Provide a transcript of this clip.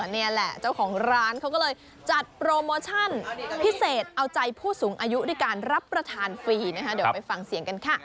นี่แหละเจ้าของร้านเขาก็เลยจัดโปรโมชั่นพิเศษเอาใจผู้สูงอายุด้วยการรับประทานฟรี